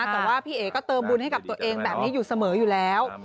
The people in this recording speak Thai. แต่ว่าพี่เอ๋ก็เติมบุญให้กับตัวเองแบบนี้อยู่เสมออยู่แล้ว